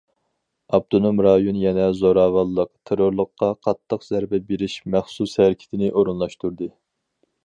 ئاپتونوم رايون يەنە زوراۋانلىق، تېررورلۇققا قاتتىق زەربە بېرىش مەخسۇس ھەرىكىتىنى ئورۇنلاشتۇردى.